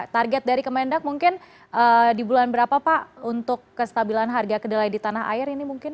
target dari kemendak mungkin di bulan berapa pak untuk kestabilan harga kedelai di tanah air ini mungkin